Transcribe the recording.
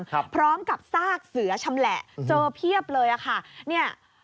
พร้อมกับซากเสือชำแหละเจอเพียบเลยอ่ะค่ะเนี่ย